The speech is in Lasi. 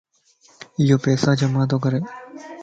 ايو پيسا جمع تو ڪري